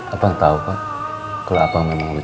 abang tahu kok kalau abang memang lucu